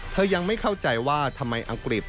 ยังไม่เข้าใจว่าทำไมอังกฤษ